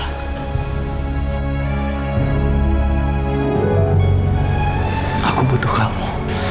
aku butuh kamu